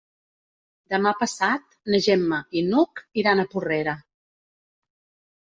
Demà passat na Gemma i n'Hug iran a Porrera.